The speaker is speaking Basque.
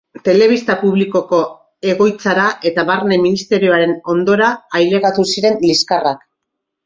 Telebista publikoko egoitzara eta Barne Ministerioaren ondora ailegatu ziren liskarrak.